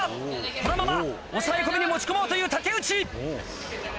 このまま抑込に持ち込もうという竹内。